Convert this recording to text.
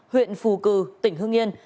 huyện phù cừ tỉnh hương yên